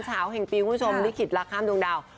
สาวแห่งปีคุณผู้ชมลิขิตรักข้ามดวงดาว